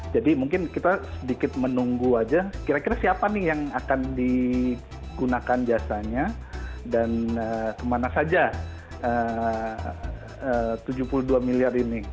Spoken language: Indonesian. jadi mungkin kita sedikit menunggu aja kira kira siapa nih yang akan digunakan jasanya dan kemana saja